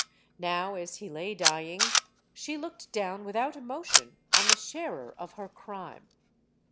Now, as he lay dying, she looked down without emotion on the sharer of her crime.